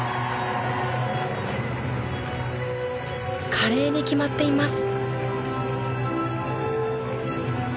華麗に決まっています。